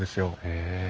へえ。